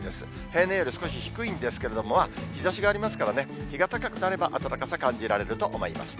平年より少し低いんですけれども、日ざしがありますからね、日が高くなれば暖かさ感じられると思います。